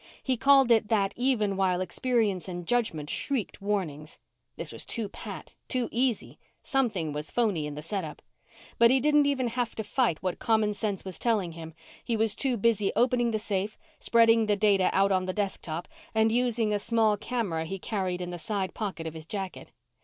He called it that even while experience and judgment shrieked warnings. This was too pat too easy. Something was phony in the setup. But he didn't even have to fight what common sense was telling him. He was too busy opening the safe, spreading the data out on the desktop, and using a small camera he carried in the side pocket of his jacket.